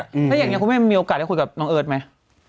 แล้วอย่างนี้คุณแม่มีโอกาสได้คุยกับน้องเอิร์ทไหม